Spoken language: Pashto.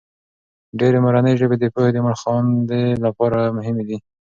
ډېرې مورنۍ ژبې د پوهې د مړخاندې لپاره مهمې دي.